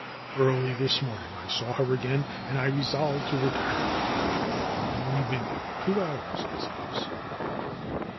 Early this morning I saw her again, and I resolved to return. I have only been here two hours as it is.'